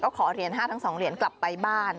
ก็ขอเหรียญ๕บาททั้งสองเหรียญกลับไปบ้าน